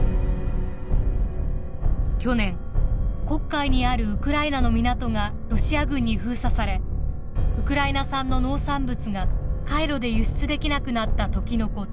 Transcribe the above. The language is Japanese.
去年黒海にあるウクライナの港がロシア軍に封鎖されウクライナ産の農産物が海路で輸出できなくなった時のこと。